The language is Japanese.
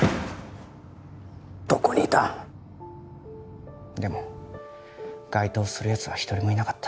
どこにいた？でも該当するやつは一人もいなかっ